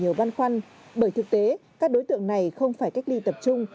nhiều băn khoăn bởi thực tế các đối tượng này không phải cách ly tập trung